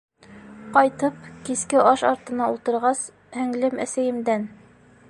Ҡайтып, киске аш артына ултырғас, һеңлем әсәйемдән: